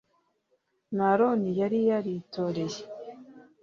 na aroni yari yaritoreye